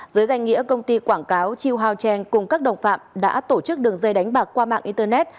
giới danh nghĩa công ty quảng cáo chiêu hao trang cùng các đồng phạm đã tổ chức đường dây đánh bạc qua mạng internet